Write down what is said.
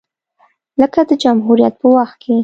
لکه د جمهوریت په وخت کې